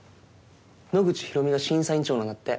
野口大海が審査員長なんだって。